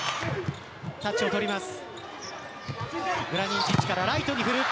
タッチを取ります。